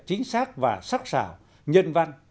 chính xác và sắc xảo nhân văn